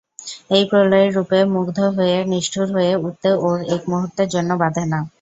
এই প্রলয়ের রূপে মুগ্ধ হয়ে নিষ্ঠুর হয়ে উঠতে ওর এক মুহূর্তের জন্যে বাধবে না।